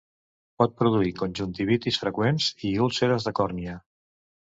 Pot produir conjuntivitis freqüents i úlceres de còrnia.